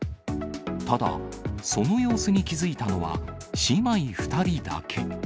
ただ、その様子に気付いたのは、姉妹２人だけ。